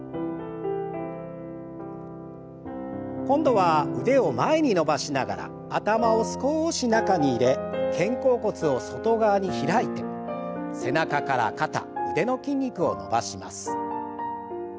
今度は腕を前に伸ばしながら頭を少し中に入れ肩甲骨を外側に開いて背中から肩腕の筋肉を伸ばします。